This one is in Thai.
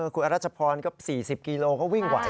คุณอรัชพรก็๔๐กิโลก็วิ่งไหว